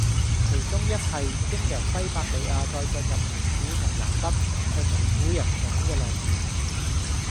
其中一系經由西伯利亞再進入蒙古同華北，係蒙古人種嘅來源